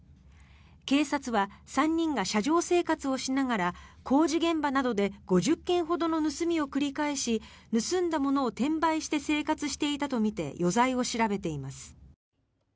警察は３人が車上生活をしながら工事現場などで５０件ほどの盗みを繰り返し盗んだものを転売して生活していたとみて余罪を調べています。